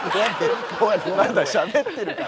まだしゃべってるから。